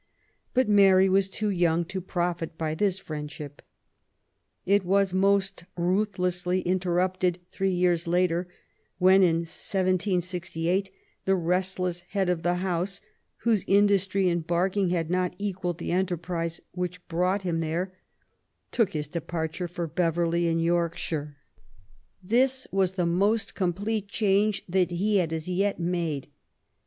But Mary was too young to profit by this friendship. It was most ruth lessly interrupted three years later, when, in 1768, the restless head of the house, whose industry in Barking had not equalled the enterprise which brought him there, took his departure for Beverly, in Yorkshire. 10 UABY WOLLBTONEOBAFT GODWIN. This was the most complete change that he had as yet made.